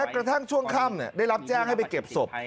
กระทั่งช่วงค่ำได้รับแจ้งให้ไปเก็บศพ